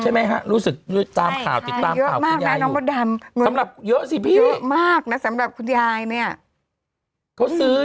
ใช่ไหมฮะรู้สึกตามข่าวคุณยายอยู่